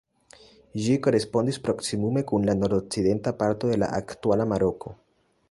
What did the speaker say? Ĝi korespondis proksimume kun la nordokcidenta parto de la aktuala Maroko.